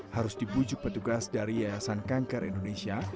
harus dipujuk petugas dari yayasan kangker indonesia